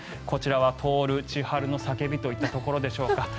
こちらは徹、ちはるの叫びといったところでしょうか。